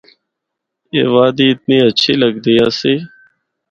اے وادی اتنی ہچھی لگدی آسی۔